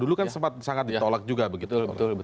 dulu kan sempat sangat ditolak juga begitu